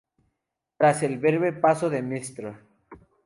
Tras el breve paso de Mr.